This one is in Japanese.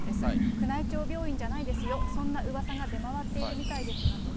宮内庁病院じゃないですよ、そんなうわさが出回っているみたいですがと。